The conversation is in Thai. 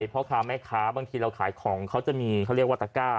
พ่อค้าแม่ค้าบางทีเราขายของเขาจะมีเขาเรียกว่าตะก้า